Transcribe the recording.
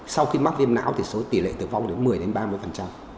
sau khi mắc viêm não thì số tỷ lệ tử vong đến một mươi đến ba mươi